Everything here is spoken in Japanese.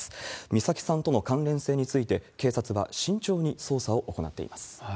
美咲さんとの関連性について、警察は慎重に捜査を行っています。